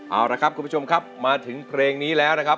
เอาละครับคุณผู้ชมครับมาถึงเพลงนี้แล้วนะครับ